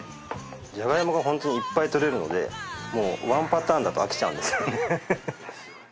ジャガイモがホントにいっぱい採れるのでもうワンパターンだと飽きちゃうんですね。